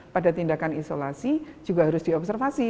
pada tindakan isolasi juga harus diobservasi